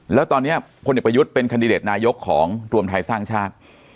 แล้วตอนนี้พลเอกประยุทธ์เป็นคันดิเดตนายกของรวมไทยสร้างชาติ